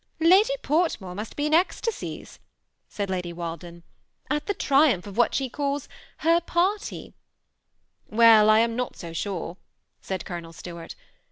^^ Lady Fortmore must foe in ecstasios," aaad Laidj Walden, ^ at the triumph of what she calls her party/' <" Well, I am not so sure," ^d Colonel Stuart.